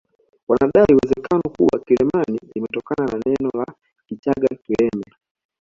Wanadai uwezekano kuwa Kileman limetokana na neno la Kichaga kileme